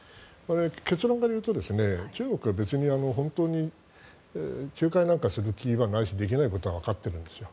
結論からいうと中国は別に本当に仲介なんかする気はないしできないことはわかっているんですよ。